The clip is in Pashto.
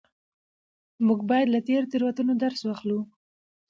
موږ بايد له تېرو تېروتنو درس واخلو.